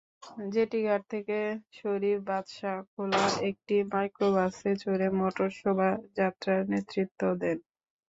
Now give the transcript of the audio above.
জেটিঘাট থেকে শরীফ বাদশাহ খোলা একটি মাইক্রোবাসে চড়ে মোটর শোভাযাত্রার নেতৃত্ব দেন।